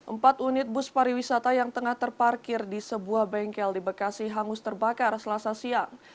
empat unit bus pariwisata yang tengah terparkir di sebuah bengkel di bekasi hangus terbakar selasa siang